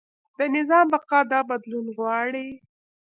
د نظام بقا دا بدلون غواړي.